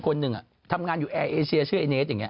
คนหนึ่งทำงานอยู่แอร์เอเชียชื่อไอเนสอย่างนี้